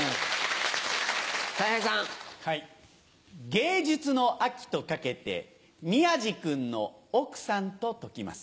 「芸術の秋」と掛けて宮治君の奥さんと解きます。